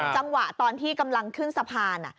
จังหวะตอนที่กำลังขึ้นสะพาน